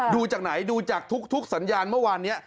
ดูจากไหนดูจากทุกสัญญาณเมื่อวานนี้